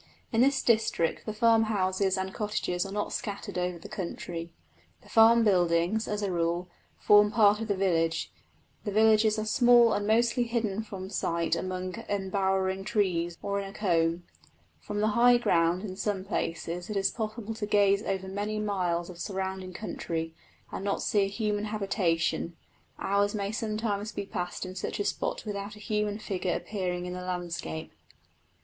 In this district the farmhouses and cottages are not scattered over the country. The farm buildings, as a rule, form part of the village; the villages are small and mostly hidden from sight among embowering trees or in a coombe. From the high ground in some places it is possible to gaze over many miles of surrounding country and not see a human habitation; hours may sometimes be passed in such a spot without a human figure appearing in the landscape.